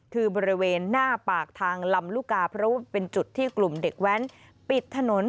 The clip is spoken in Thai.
คือบริเวณหน้าปากทางลำลูกกาเพราะว่าเป็นจุดที่กลุ่มเด็กแว้นปิดถนน